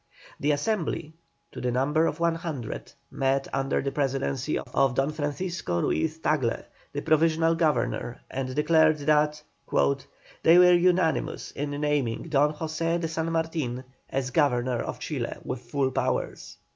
The Assembly, to the number of one hundred, met under the presidency of Don Francisco Ruiz Tagle, the provisional Governor, and declared that "They were unanimous in naming Don José de San Martin as Governor of Chile with full powers."